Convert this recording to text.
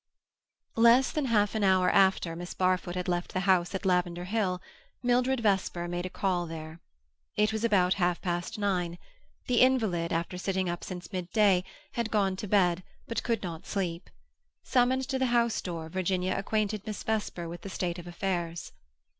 Less than half an hour after Miss Barfoot had left the house at Lavender Hill, Mildred Vesper made a call there. It was about half past nine; the invalid, after sitting up since midday, had gone to bed, but could not sleep. Summoned to the house door, Virginia acquainted Miss Vesper with the state of affairs.